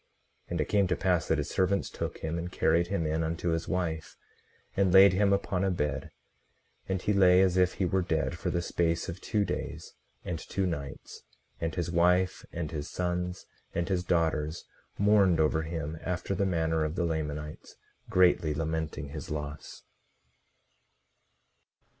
18:43 And it came to pass that his servants took him and carried him in unto his wife, and laid him upon a bed; and he lay as if he were dead for the space of two days and two nights; and his wife, and his sons, and his daughters mourned over him, after the manner of the Lamanites, greatly lamenting his loss.